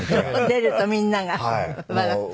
出るとみんなが笑って。